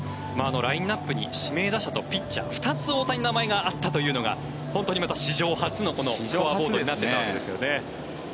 ラインアップに指名打者とピッチャー２つ、大谷の名前があったというのが本当に史上初のスコアボードになっていたわけですね。